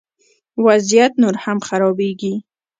وضعیت نور هم خرابیږي